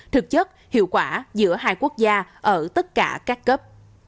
thực chất hiệu quả giữa hai quốc gia ở tất cả các cấp